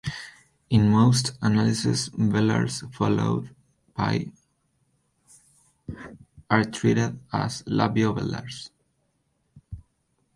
In most analyses velars followed by are treated as labio-velars.